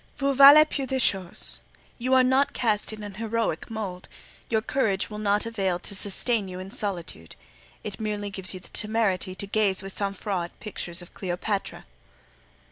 Vous valez peu de chose. You are not cast in an heroic mould; your courage will not avail to sustain you in solitude; it merely gives you the temerity to gaze with sang froid at pictures of Cleopatra."